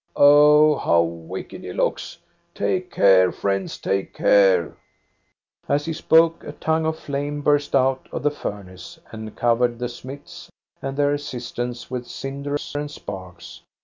Oh, how wicked he looks ! Take care, friends, take care !" As he spoke, a tongue of flame burst out of the furnace, and covered the smiths and their assistants with cinders and sparks.